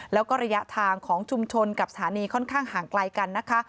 แล้วก็ระยะทางของชุมชนกับสถานีค่อนข้างห่างไกลกันนะคะ